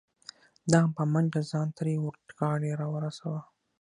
ده هم په منډه ځان تر وردغاړې را ورسو.